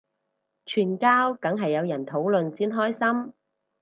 傳教梗係有人討論先開心